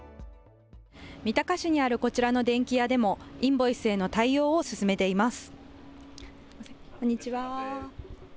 三鷹市にあるこちらの電器屋でもインボイスへの対応を進めています。